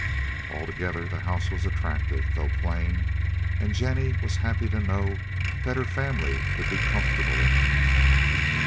Altogether the house was attractive, though plain, and Jennie was happy to know that her family could be comfortable in it.